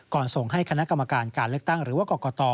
ส่งให้คณะกรรมการการเลือกตั้งหรือว่ากรกต